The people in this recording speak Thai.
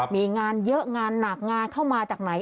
มีงานเยอะงานหนักงานเข้ามาจากไหน